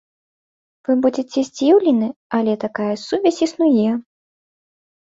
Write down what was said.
Вы будзеце здзіўленыя, але такая сувязь існуе.